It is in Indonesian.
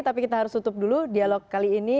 tapi kita harus tutup dulu dialog kali ini